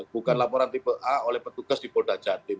bukan laporan tipe a oleh petugas di polda jatim